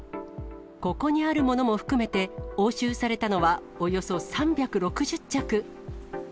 ここにあるものも含めて、押収されたのはおよそ３６０着。